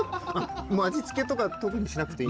味付けとか特にしなくていい？